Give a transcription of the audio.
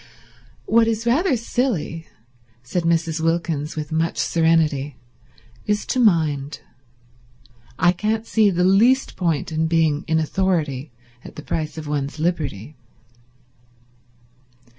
"What is rather silly," said Mrs. Wilkins with much serenity, "is to mind. I can't see the least point in being in authority at the price of one's liberty."